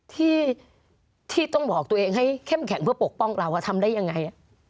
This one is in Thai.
ที่ต้องบอกตัวเองให้เข้มแข็งเพื่อปกป้องเราทำได้ยังไง